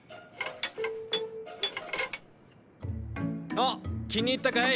・おっ気に入ったかい？